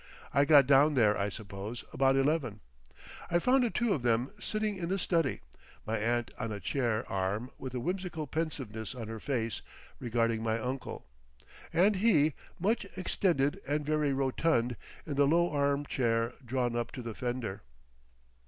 I got down there, I suppose, about eleven. I found the two of them sitting in the study, my aunt on a chair arm with a whimsical pensiveness on her face, regarding my uncle, and he, much extended and very rotund, in the low arm chair drawn up to the fender.